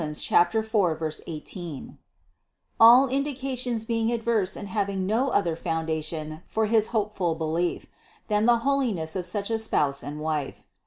4, 18) ; all indications being adverse and having no other founda tion for his hopeful belief, than the holiness of such a Spouse and Wife.